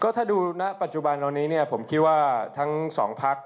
ก็ถ้าดูณปัจจุบันรอนี้เนี่ยผมคิดว่าทั้งสองพัก